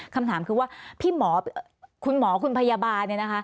คำถามคือว่าพี่หมอคุณหมอคุณพยาบาล